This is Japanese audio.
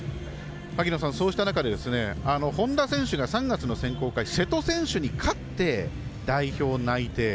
萩野さん、そうした中で本多選手が３月の選考会瀬戸選手に勝って、代表内定。